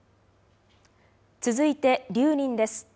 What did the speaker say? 続いて留任です。